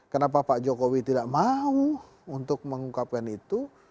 kenapa pak jokowi tidak mau untuk mengungkapkan itu